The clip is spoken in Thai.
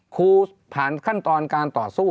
ครูผ่านขั้นตอนการตอบสู้